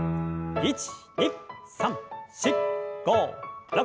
１２３４５６。